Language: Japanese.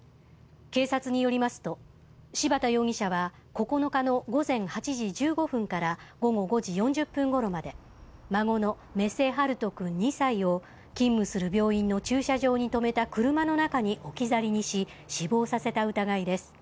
警察によりますと、柴田容疑者は９日の午前８時１５分から午後５時４０分ごろまで、孫の目瀬陽翔くん２歳を、勤務する病院の駐車場に止めた車の中に置き去りにし、死亡させた疑いです。